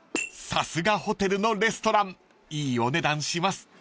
［さすがホテルのレストランいいお値段します］